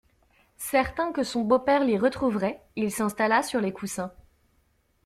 Certain que son beau-père l'y retrouverait, il s'installa sur les coussins.